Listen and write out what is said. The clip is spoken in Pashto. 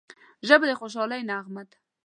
ژبه د خوشحالۍ نغمه ده